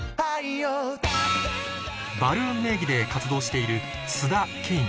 「バルーン」名義で活動している須田景